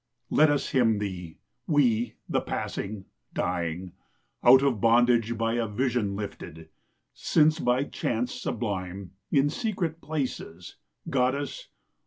Let us hymn thee, we, the passing, dying, Out of bondage by a vision lifted, Since by chance sublime, in secret places, Goddess!